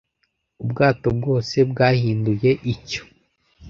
Ubwato bwose bwahinduye icyo